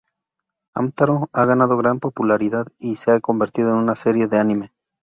Hamtaro ha ganado gran popularidad y se ha convertido en una serie de anime.